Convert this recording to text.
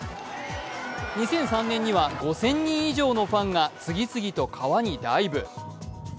２００３年には、５０００人以上のファンが次々と川にダイブ。